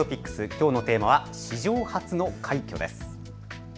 きょうのテーマは史上初の快挙です。